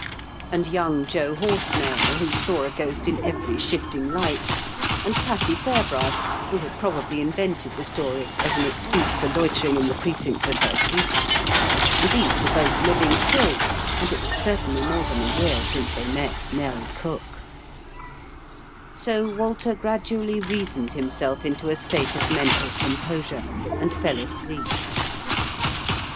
And young Joe Horsnail, who saw a ghost in every shifting light, and Patty Fairbrass, who had probably invented the story as an excuse for loitering in the Precinct with her sweetheart ; and these were both living still, and it was certainly more than a year since they met NeU Cook So Walter gradually^ reasoned himself 192 IN KENT WITH CHABLE8 DICKENS. into a state of mental composure, and fell asleep.